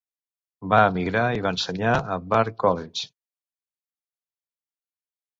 Va emigrar i va ensenyar al Bard College.